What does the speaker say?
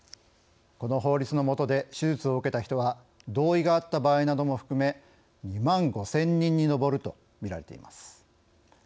この法律のもとで手術を受けた人は同意があった場合なども含め２万５０００人に上るとみられています。